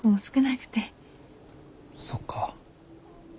そっか。